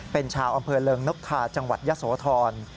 เป็นชาวอำเภอเริงนกทาจังหวัดยะโสธร